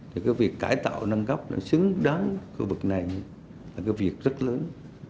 thì cái việc cải tạo nâng cấp đã xứng đáng khu vực này là cái việc rất lớn